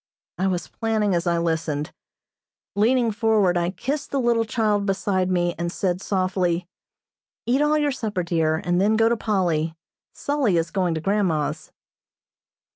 I was planning as I listened. Leaning forward I kissed the little child beside me, and said softly, "Eat all your supper, dear, and then go to Polly. 'Sully' is going to grandma's."